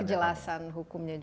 kejelasan hukumnya juga